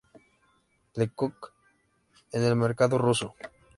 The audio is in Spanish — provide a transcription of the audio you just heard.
Le Coq en el mercado ruso.